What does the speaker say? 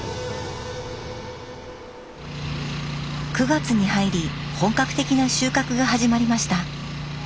９月に入り本格的な収穫が始まりました。